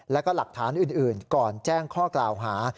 แล้วก็หลักฐานอื่นก่อนแจ้งข้อกล่าวหา